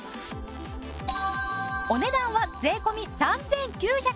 お値段は税込３９８０円。